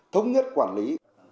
thống nhất quản lý